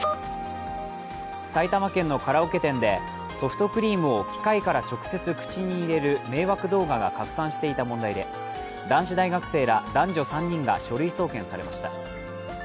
埼玉県のカラオケ店でソフトクリームを機械から直接口に入れる迷惑動画が拡散していた問題で男子大学生ら男女３人が書類送検されました。